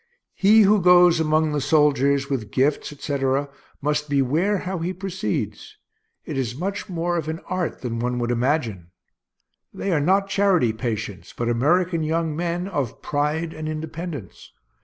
He who goes among the soldiers with gifts, etc., must beware how he proceeds. It is much more of an art than one would imagine. They are not charity patients, but American young men, of pride and independence.